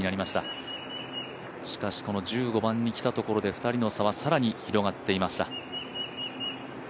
しかしこの１５番に来たところで２人の差は更に広がっていました。